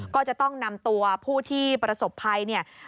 ก็จะต้องนำตัวผู้ที่ประสบภัยเนี่ย